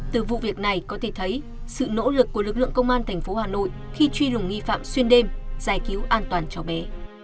từ vụ việc này có thể thấy sự nỗ lực của lực lượng công an thành phố hà nội khi truy đủng nghi phạm xuyên đêm giải cứu an toàn cho bé